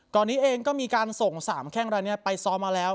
ก่อนนี้เองก็มีการส่ง๓แข่งอะไรเนี่ยไปซ้อมมาแล้ว